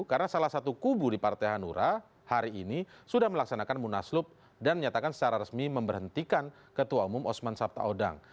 karena salah satu kubu di partai hanura hari ini sudah melaksanakan munaslup dan menyatakan secara resmi memberhentikan ketua umum osman sabtaodang